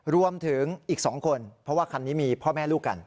รวมถึงอีก๒คนเพราะว่าคันนี้มีพ่อแม่ลูกกัน